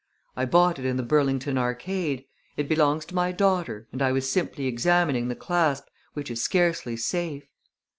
I bought it in the Burlington Arcade; it belongs to my daughter, and I was simply examining the clasp, which is scarcely safe."